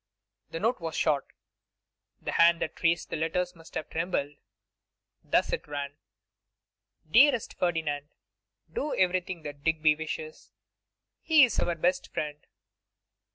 The note was short; the hand that traced the letters must have trembled. Thus it ran: 'Dearest Ferdinand, Do everything that Digby wishes. He is our best friend.